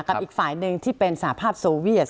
อีกฝ่ายหนึ่งที่เป็นสาภาพโซเวียส